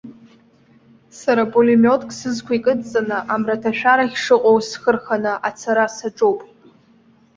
Сара пулемиотк сызқәа икыдҵаны, амраҭашәарахь шыҟоу схы рханы ацара саҿуп.